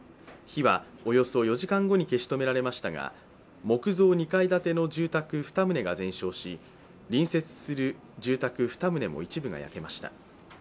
火はおよそ４時間後に消し止められましたが木造２階建ての住宅２棟が全焼し隣接する住宅２棟も一部が焼けました。